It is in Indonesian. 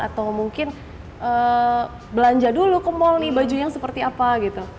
atau mungkin belanja dulu ke mall nih bajunya seperti apa gitu